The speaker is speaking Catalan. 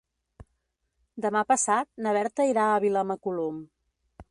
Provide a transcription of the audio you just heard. Demà passat na Berta irà a Vilamacolum.